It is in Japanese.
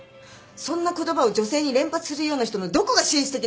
そんな言葉を女性に連発するような人のどこが紳士的なんですか？